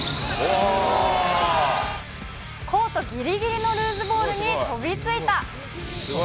コートぎりぎりのルーズボールに飛びついた。